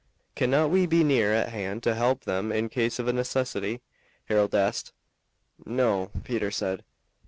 "Cannot we be near at hand to help them in case of a necessity," Harold asked. "No," Peter said.